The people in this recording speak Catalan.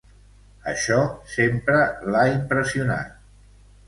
Això sempre l'ha impressionat.